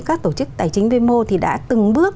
các tổ chức tài chính vmo thì đã từng bước